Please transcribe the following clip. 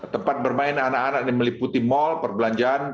tempat bermain anak anak yang meliputi mall perbelanjaan